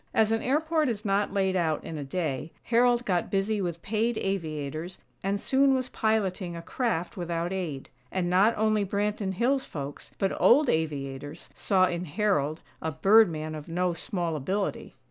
As an airport is not laid out in a day, Harold got busy with paid aviators and soon was piloting a craft without aid; and not only Branton Hills folks, but old aviators, saw in Harold, a "bird man" of no small ability.